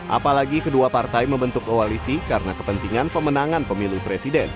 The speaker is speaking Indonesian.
apalagi kedua partai membentuk koalisi karena kepentingan pemenangan pemilu presiden